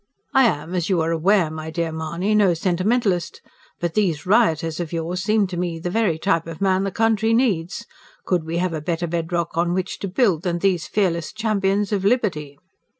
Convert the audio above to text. "I am, as you are aware, my dear Mahony, no sentimentalist. But these rioters of yours seem to me the very type of man the country needs. Could we have a better bedrock on which to build than these fearless champions of liberty?"